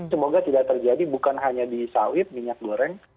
semoga tidak terjadi bukan hanya di sawit minyak goreng